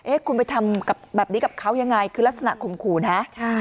เอ๊ะคุณไปทำแบบนี้กับเขายังไงคือลักษณะของคุณฮะ